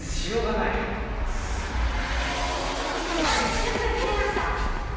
１０分切りました！